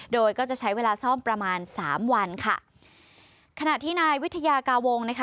โดยก็จะใช้เวลาซ่อมประมาณสามวันค่ะขณะที่นายวิทยากาวงนะคะ